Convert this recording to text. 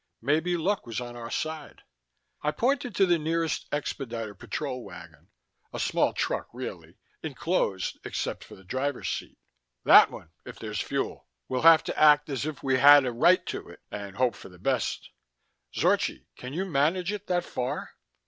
Maybe luck was on our side. I pointed to the nearest expediter patrol wagon a small truck, really, enclosed except for the driver's seat. "That one, if there's fuel. We'll have to act as if we had a right to it, and hope for the best. Zorchi, can you manage it that far?"